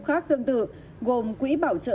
khác tương tự gồm quỹ bảo trợ